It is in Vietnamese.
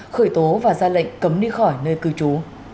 khởi tố và ra lệnh cấm đi khỏi nơi cư trú